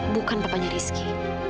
bukan papanya rizky